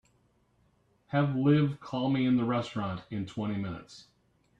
Have Liv call me in the restaurant in twenty minutes.